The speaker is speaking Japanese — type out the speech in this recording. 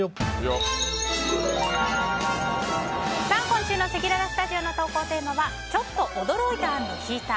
今週のせきららスタジオの投稿テーマはちょっと驚いた＆引いた！